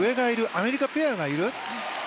アメリカペアがいる。